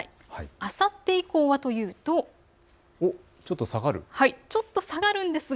あさって以降はというと、少し下がるんですね。